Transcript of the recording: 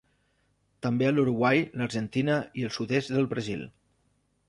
També a l'Uruguai, l'Argentina i el sud-est del Brasil.